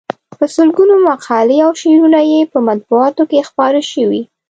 په سلګونو مقالې او شعرونه یې په مطبوعاتو کې خپاره شوي.